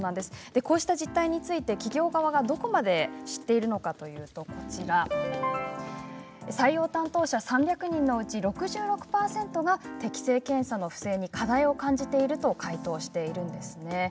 こういう実態を企業がどこまで知っているのかというと採用担当者３００人のうち６６％が適性検査の不正に課題を感じていると回答しています。